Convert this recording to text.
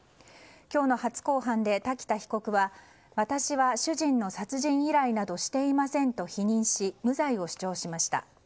今日の初公判で滝田被告は私は主人の殺人依頼などしていませんと否認し無罪を主張しました。